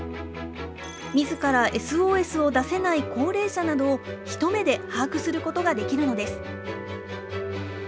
みずからＳＯＳを出せない高齢者などを、一目で把握することができるのです。